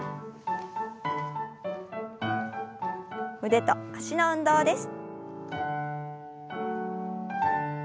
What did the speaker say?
腕と脚の運動です。